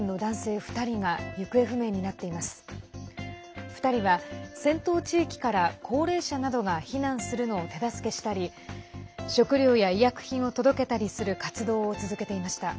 ２人は戦闘地域から高齢者などが避難するのを手助けしたり食料や医薬品を届けたりする活動を続けていました。